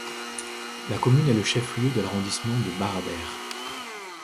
La commune est le chef-lieu de l'arrondissement de Barradères.